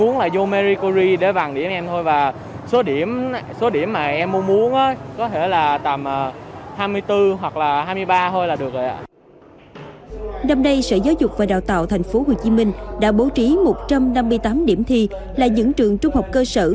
năm nay sở giáo dục và đào tạo tp hcm đã bố trí một trăm năm mươi tám điểm thi là những trường trung học cơ sở